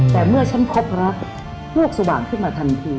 แต่เมื่อฉันพบรักลูกสว่างขึ้นมาทันที